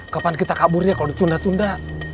kapan kita kabur ya kalo ditunda tunda